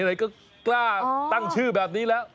ไหนก็กล้าตั้งชื่อแบบนี้แล้ว